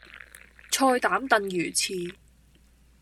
菜膽燉魚翅